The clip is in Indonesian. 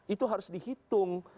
itu harus dihitung